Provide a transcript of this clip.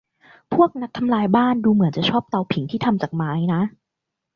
พวกนักทำลายบ้านดูเหมือนจะชอบเตาผิงที่ทำจากไม้นะ